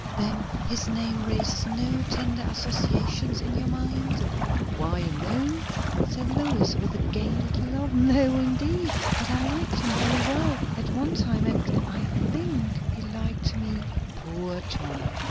"Then his name raises no tender associations in your mind?" "Why, no!" said Lois, with a gay little laugh. "No, indeed. But I liked him very well at one time; and I think he liked me." "Poor Tom!"